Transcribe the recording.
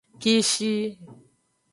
Kishi.